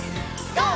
ＧＯ！